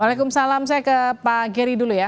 waalaikumsalam saya ke pak geri dulu ya